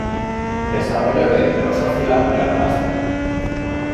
Desarrollo de Drosophila melanogaster